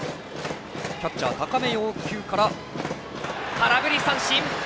空振り三振！